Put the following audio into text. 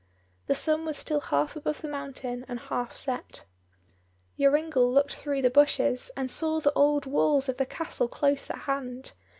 The sun was still half above the mountain and half set. Joringel looked through the bushes, and saw the old walls of the castle close at hand.